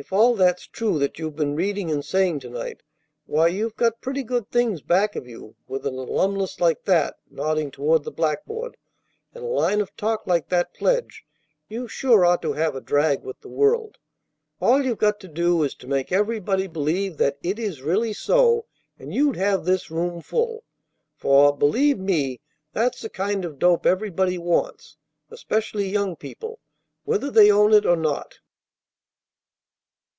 If all that's true that you've been reading and saying to night, why, you've got pretty good things back of you. With an Alumnus like that" nodding toward the blackboard "and a line of talk like that pledge, you sure ought to have a drag with the world. All you've got to do is to make everybody believe that it is really so, and you'd have this room full; for, believe me, that's the kind of dope everybody wants, especially young people, whether they own it or not."